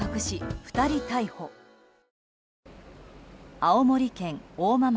青森県大間町。